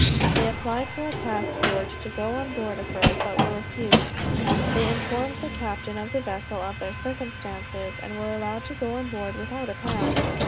They applied for a passport to go on board of her, but were refused. They informed the captain of the vessel of their circumstances, and were allowed to go on board without a pass.